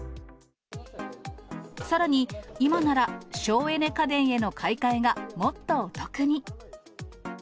さらに、今なら省エネ家電への買い替えがもっとお得に。